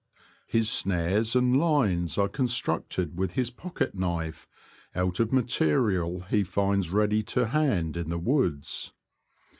His snares and lines are constructed with his pocket knife, out of material he finds ready to hand in the woods.